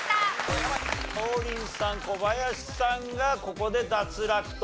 王林さん小林さんがここで脱落と。